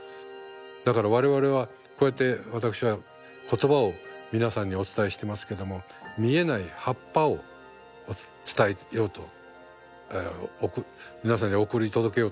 だから我々はこうやって私は言葉を皆さんにお伝えしてますけども見えない葉っぱを伝えようと皆さんに送り届けようとしてるんです。